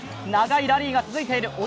長いラリーが続いている。